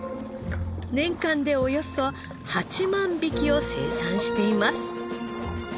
年間でおよそ８万匹を生産しています。